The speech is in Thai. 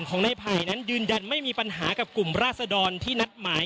ของนายไผ่นั้นยืนยันไม่มีปัญหากับกลุ่มราศดรที่นัดหมาย